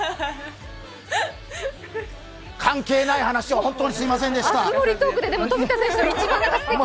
関係ない話を本当にすみませんでした。